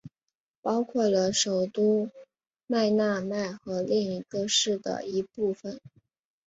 包括了首都麦纳麦和另一个市的一部份。